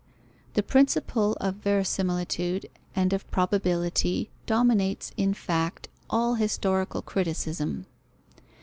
The principle of verisimilitude and of probability dominates in fact all historical criticism.